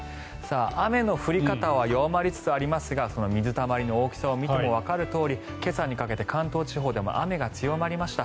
雨の降り方は弱まりつつありますが水たまりの大きさを見てもわかるとおり今朝にかけて関東地方でも雨が強まりました。